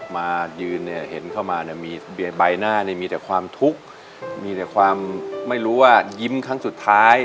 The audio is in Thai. มายืนเนี่ยเห็นเข้ามาเนี่ยมีใบหน้านี่มีแต่ความทุกข์มีแต่ความไม่รู้ว่ายิ้มครั้งสุดท้าย